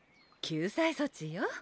救済措置よ。